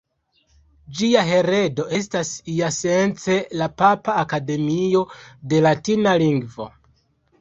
Ĝia heredo estas iasence la Papa Akademio de Latina Lingvo.